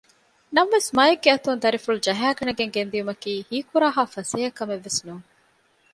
ނަމަވެސް މައެއްގެ އަތުން ދަރިފުޅު ޖަހައިގަނެގެން ގެންދިއުމަކީ ހީކުރާހާ ފަސޭހަ ކަމެއްވެސް ނޫން